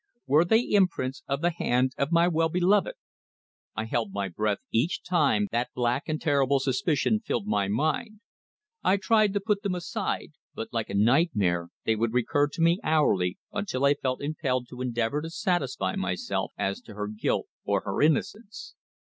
Were they imprints of the hand of my well beloved? I held my breath each time that black and terrible suspicion filled my mind. I tried to put them aside, but, like a nightmare, they would recur to me hourly until I felt impelled to endeavour to satisfy myself as to her guilt or her innocence.